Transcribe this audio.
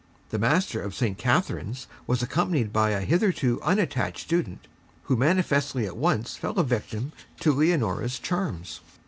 The master of St. Catherine's was accompanied by a hitherto Unattached student, who manifestly at once fell a victim to Leonora's charms.